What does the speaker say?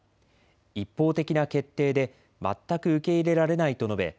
一方的な決定で全く受け入れられないと述べ